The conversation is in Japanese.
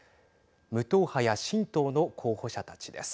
無党派や新党の候補者たちです。